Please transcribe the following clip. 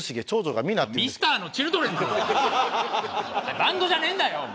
バンドじゃねえんだよ！